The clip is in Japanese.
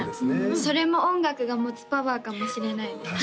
それも音楽が持つパワーかもしれないですね